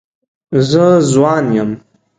زه ځوان یم.